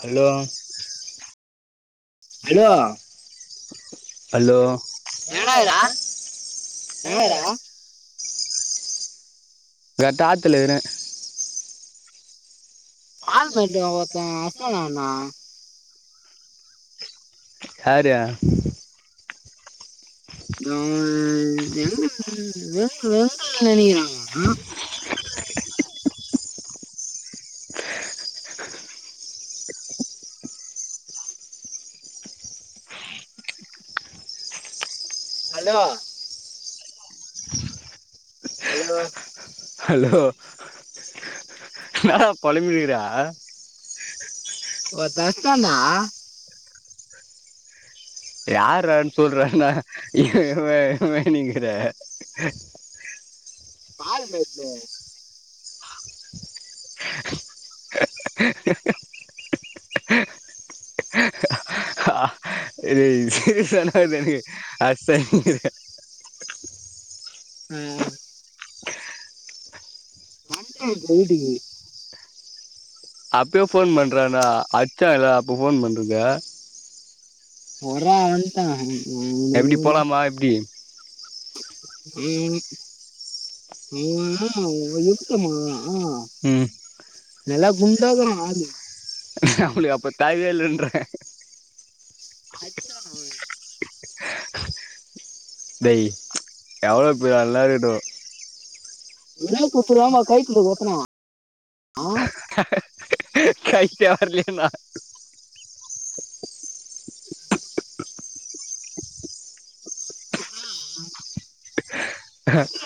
Hello hello hello என்னடா எங்கனவர இதுடா எங்க என்னடா னவர கட்டாத்துல இருன் ஆல்மேட்டு அவத்த அசனண்ணா யாரு அவ [unintelligible] யோசிச்சு யோசிச்சு நினக்கிற அலோ ஹலோ ஹலோ என்னாடா பொழம்பிகிற ஒத்தாசனா யார்ரா சொல்றனா இவ இவ நீங்கற [unintelligible] [unintelligible] [inaudible] [unintelligible] ம் டுவல் டீ அப்பயே போன் பண்றான் டா அச்சா இ அப்போ போன் பண்றது ஓட்ரா வண்டா எப்டி போலாமா எப்டி ம் உ நா உத்தமா ஆ ம் நெல்லா குண்டாகு ஆது அவளுக்கு அப்ப தாய்வே இல்லன்ற அச்சா [unintelligible] டய் எவ்ளோப்ப நல்லாருக்கட்டு [unintelligible] னா ஆ [unintelligible]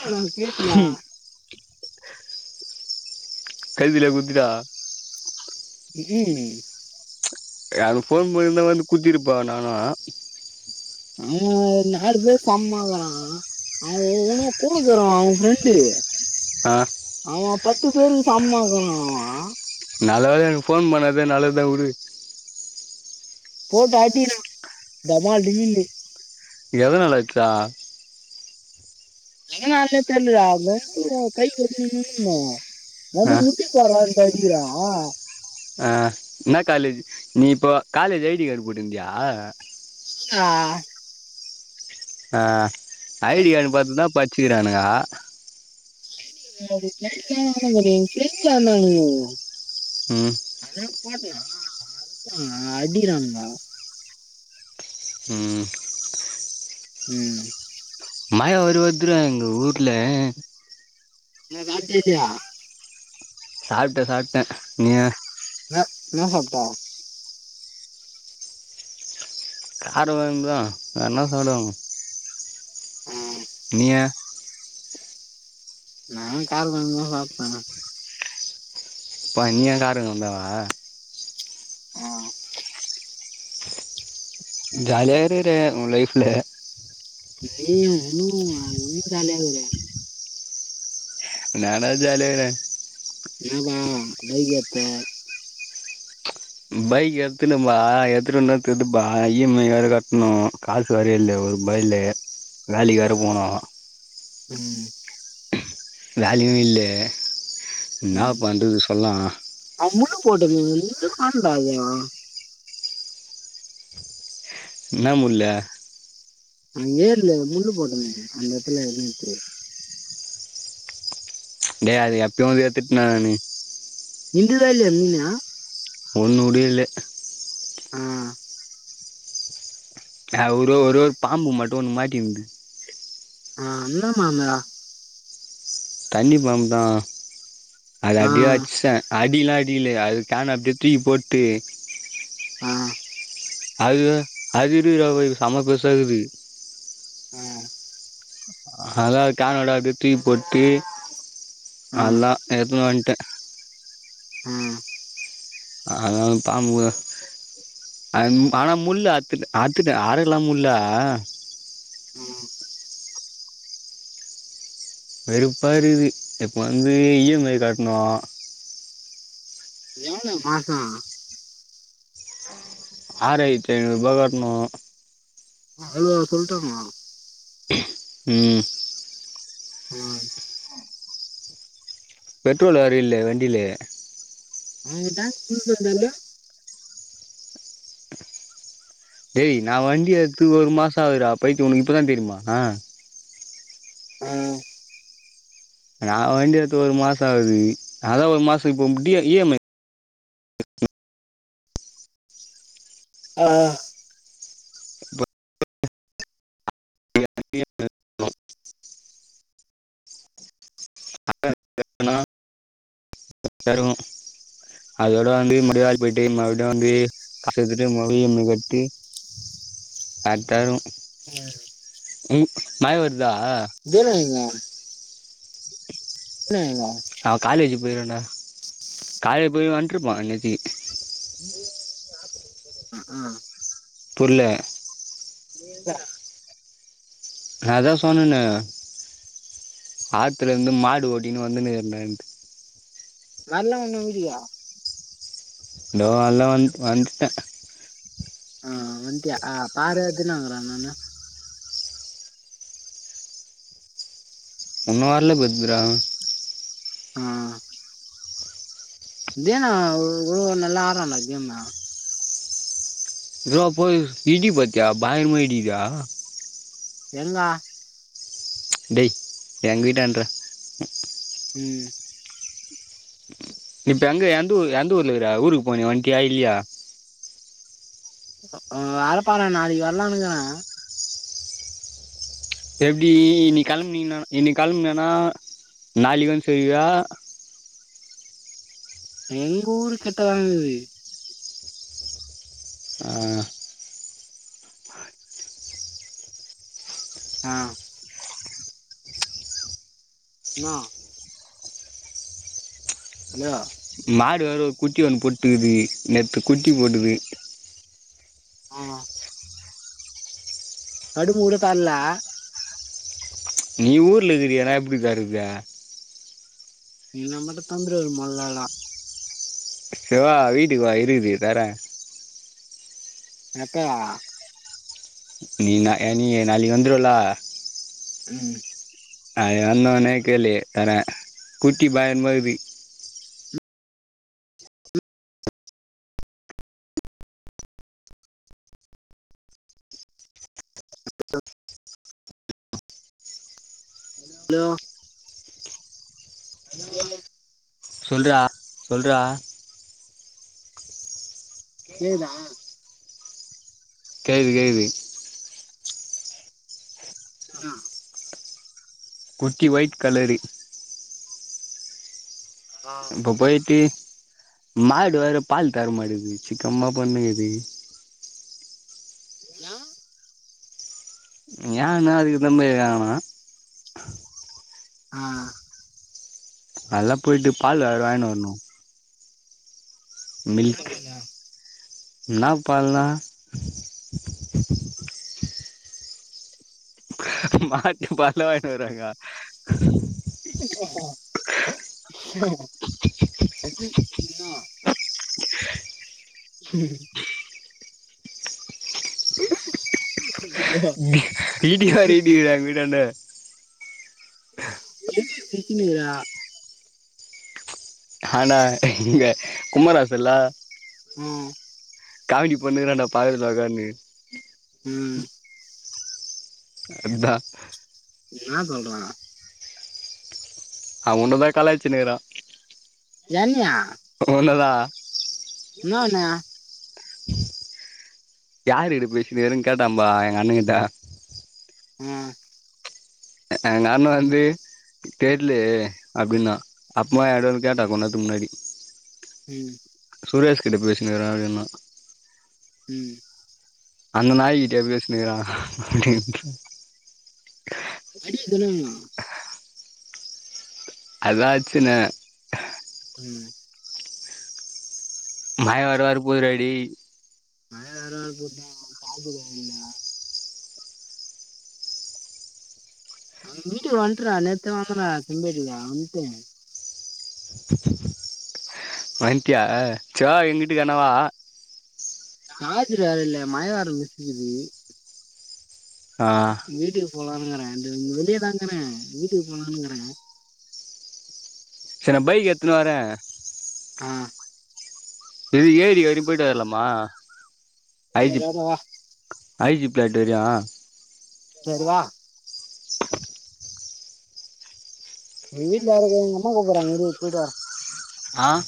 ஆ நா பேசுதா கைதுல குத்திடா ம் ம் அவ போன் பண்ணிருந்தா வந்து குத்திருப்பா நானு அவ ஒரு நாலு பேர் சம்பவ ஆ உனா கூலிக்கு வருவா அவங் ஃப்ரெண்டு ஆ அவ பத்து பேரு சமமா இருக்கனு நல்ல வேல எனக்கு போன் பண்ணாதா நல்லதுதா உடு போட்டு அடிக்கணு டமால் டீமில்னு எதனால அச்சா எதனாலே தெரிலயா [unintelligible] ஆ [unintelligible] ஆ என்ன காலேஜ்ஜு நீ இப்போ காலேஜ் ஐ டி காடு போட்டுந்தியா ஆ ஆ ஐ டி காடு பாத்துதா இப்ப அடிச்சுக்கிறானுங்க [unintelligible] ம் [unintelligible] அடிக்கிறானுங்க ம் ம் மய உருவாத்துல எங்க ஊட்ல என்ன காட்டேலியா சாப்ட்டே சாப்ட்டே நீங்க ன்ன இன்ன சாப்ட்டே கார கொழம்பு தா வேற என்ன சாப்டுவாங்க நீங்க நங்குளு காரக்கொழம்பு தா சாப்ட்டேங்க ப நீங்களு கார கொழம்பே வா ஆ ஜாலியா இருக்குற உன் லைஃப்ல நீங்களு நீங்களு [unintelligible] ஜாலியாருக்குற என்னடா ஜாலியா இருக்கே என்னப்பா லவ் பேர்ட்ஸ்ஸு பைக் எடுத்துன்னு பா எடுத்துட்டு [unintelligible] இ எம் ஐ வேற கட்டணு காசு வேர இல்ல ஒரு ரூபா இல்லே வேலைக்கு வேற போனு ம் வேலையு இல்ல என்னா பண்றது சொல்லா அவுங்களு போட்டு நீ ஒன்னு கவல படாதட என்ன முல்ல அங்க ஏர்ல முள்ளு போட்டமே அந்த எடத்துல இருந்துச்சி டே அது எப்யோ அது ஏத்துட்னா நானு இந்துதா இல்லையா மீனா? ஒன்னு உடயேல்ல ம் ஆ ஒரே ஒரு ஒரு பாம்பு மட்டு ஒண்ணு மாட்ருந்து ஆ இன்ன பாம்பு தண்ணி பாம்பு தா அத ஆ, அப்டியே அட்சே அடிலா அடிக்ளே அது கான அப்டியே தூக்கி போட்டு ஆ, அது அதுயிருக்குற பெருசு சம பெருசாக்குது ம் அதா கனோட அப்டியே தூக்கி போட்டு ஆ, அவ் தா ஏத்துணு வந்ட்டே ம் அதனால பாம்பு [unintelligible] ஆனா முள் அற்த்துட்ட அத்துட்டு ஆறெல்லா முள்ள ஆ. வெறுப்பாருகுது இப்போ வந்து இ எம் ஐ கட்ணு மூணு மாசோ ஆறயிரத்தி ஐநூற்பா கட்ணு அவ்ளோவா சொல்ட்டாங்க ம் ம் பெட்ரோலு வேற இல்ல வண்டிலே [unintelligible] டேய் நா வண்டி எடுத்து ஒரு மாசோ ஆகுதுடா பைத்தயோ உனக்கு இப்பதா தெரியுமா ம் நா வண்டி எடுத்து ஒரு மாசோ ஆவுது அதா ஒரு மாசோ இப்போ டி இ எம் ஐ ஆ [inaudible] தருவு அதோட வந்து முடிவாய் போய்ட்டு மறுபடியு வந்து காச எட்த்துட்டு மடிபடியு இ எம் ஐ கட்டி அட்டாகு ம் மழ வருதா இதன இங்க ஏங்க அவ காலேஜு போய்ருவான்டா காலேஜ் போய் வந்டுருப்பா இன்னேத்தி ஆ ஆ புர்ல அதா சொன்னனே ஆத்துல இந்து மாடு ஓட்டின்னு வந்துனுகுறன்டான்னுட்டு நல்ல ஒண்ணு வீடியா தோ அல்லா வந்த வந்துட்ட ஆ வன்டியா பாரு எத்தின வாங்குறாங்கன்னு உன்னு வரல பத் ப்ரோ ஆ இதே ஒ ஓ நல்லா ஆட்ரான கேமு ரோ போய் இடி பாத்தியா பயங்கரமா இடிக்குதா எங்கா டேய் எங்க வீட்டாண்ற ம் இப்ப எங்கே எந்தஊ எந்த ஊர்ல் இருக்குற ஊருக்கு போனயே வண்டியா இல்லியா ஆ ஆரப்பற நாளைக்கு வரலானுக்கிற எப்டி இனி கெளம்புனீனா இன்னிக் கெளம்புனன்னா நாளிக்கு வந்து சேருவியா எங்கூரு கிட்ட தாக்குது ஆ ஆ நா யா மாடு வேற ஒரு குட்டி ஒன்னு போட்டுக்குது நேத்து குட்டி போட்டுது ஆ கடு முடு தர்ல நீ ஊர்ல இருக்கிறயே நா எப்டி தரது இல்னா மட்டு தந்துருவாறு மொதலாலா சிவா வீட்டுக்கு வா இருக்குது தர யப்பா நீ நீ நா நாளைக்கு வந்துருவல ம் அயா வந்தோனே கேளு தற கூட்டி பயன் மா இருக்குது ஹலோ ஏ சொல்றா சொல்றா கேகுதா கேகுது கேகுது ஆ குட்டி ஒய்ட் கலரு ஆ இப்போ போய்ட்டு மாடு வேற பால் தர மாடுது சிக்கமா பண்ணுகுது [unintelligible] ஏன்னா அது தாபோய் ஆகணு ஆ நல்லா போயிட்டு பால் வேற வாங்கினு வரணு என்ன மில்க் பண்ணல என்னா பால்ணா மாட்டு பால்தா வாயனு வருவாங்கோ ஓஹோ [unintelligible] ம் ஐயோ, இடியார் இடிராங்க வீடாண்ட எது சிக்கினீரா ஆனா இங்க குமராசு இல்ல ம் காமடி பண்ணுக்கறாண்டா பாலத்துல ஒக்கானு ம் அதா என்ன சொல்றா அவ உன்னதா கலாய்ச்சுனுக்குரா என்னயா உண்ணதா இன்னொன்னு யார் கிட்ட பேசிட்டு இருக்கன்னு கேட்டாம்ப்பா எங்க அண்ண கிட்ட ம் எங்க அண்ண வந்து கேடல்லு அப்படின் தா அப்பமாட கேட்டா கொஞ்சன்னாத்துக்கு முன்னாடி ம் சுரேஷ் கிட்ட பேசு எதாது ஒண்ணுன்னா ம் அந்த நாய்கிட்ட எப்டிய சொன்னிக்கிறா அப்பட அடியதுல்ல அதாச்சுன ம் மழ வேற வர போது டா டேய் மழ வேர போது டா சாக்கல்ல விட்டு ஒண்டரா நெத்த வாங்க செம்பேட்டியா வந்தே வன்ட்டியா சவ எங்கீட்டுக்கு வேணாவா சஜிர் வர இல்ல மயவர போகுது ஆ வீட்டுக்கு போலானுங்கறே அங்க இங் வெளியேதாங்கிறே வீட்டுக்கு போலானுங்ககிறே சர் நா பைக் எத்துனு வரே ஆ இது ஏரி அப்டின் போய்ட்டு வர்லாமா சேரி ஐஜிப் ஓகே வா ஐ ஜி பிளாட் வர்யு சேரி வா வீட்ல இருக்க எங்க அம்மா கூப்புறாங்க இரு போய்ட்டு வார ஆ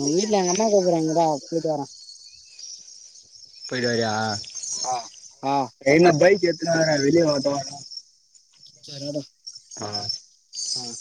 ம் வீட்ல எங்க அம்மா கூப்புறாங்க இரா போய்ட்டு வார போயி்ட்டு வரியா ஆ ஆ ஏ நா பைக் எத்துனு வர வெளியவாங்கட்டு சேரி உடு அ ம்